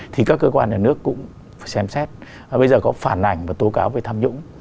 thì các cơ quan nhà nước cũng xem xét bây giờ có phản ảnh và tố cáo về tham nhũng